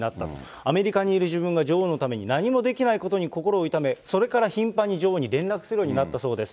アメリカにいる自分が女王のために何もできないことに心を痛め、それから頻繁に女王に連絡するようになったそうです。